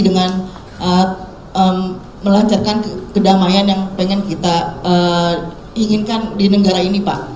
dengan melancarkan kedamaian yang pengen kita inginkan di negara ini pak